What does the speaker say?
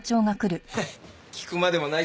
ヘッ聞くまでもないか。